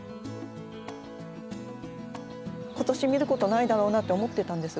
今年見ることないだろうなって思ってたんです。